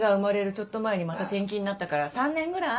ちょっと前にまた転勤になったから３年ぐらい？